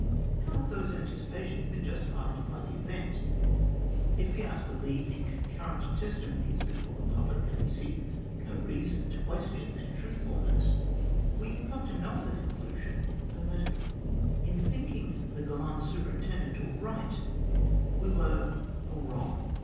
" How have those anticipations been justified by the event ? If we are to believe the concurrent testimonies before the public and we see no reason to question their truthfulness we can come to no other con clusion than that, in thinking the gallant Superintendent all right, we were all wrong.